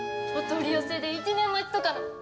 お取り寄せで１年待ちとかの。